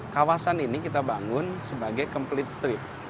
kawasan ini kita bangun sebagai complete street